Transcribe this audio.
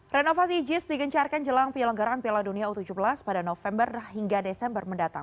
renovasi jis digencarkan jelang penyelenggaraan piala dunia u tujuh belas pada november hingga desember mendatang